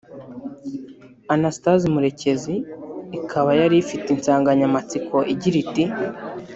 Anastase Murekezi; ikaba yari ifite insanganyamatsiko igira iti